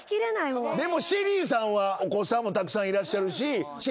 でもＳＨＥＬＬＹさんはお子さんもたくさんいらっしゃるし。